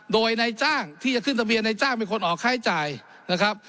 โดยในจ้างที่จะขึ้นทะเบียนในจ้างเป็นคนออกค่าใช้จ่ายนะครับ